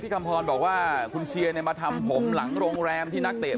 คำพรบอกว่าคุณเชียร์เนี่ยมาทำผมหลังโรงแรมที่นักเตะ